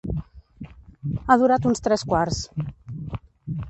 Ha durat uns tres quarts.